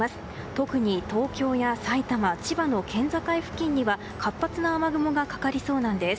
特に東京や埼玉、千葉の県境付近には活発な雨雲がかかりそうなんです。